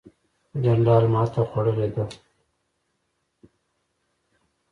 جنرال ماته خوړلې ده.